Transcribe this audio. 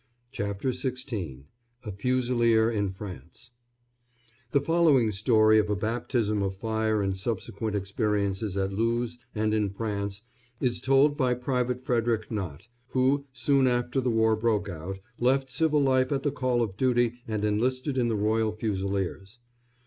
CHAPTER XVI A FUSILIER IN FRANCE [The following story of a baptism of fire and subsequent experiences at Loos and in France is told by Private Fred. Knott, who, soon after the war broke out, left civil life at the call of duty and enlisted in the Royal Fusiliers.